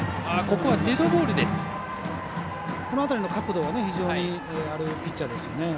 この辺りの角度は非常にあるピッチャーですよね。